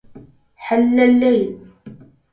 حل الليل.